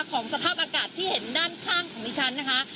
สภาพอากาศที่เห็นด้านข้างของดิฉันนะคะ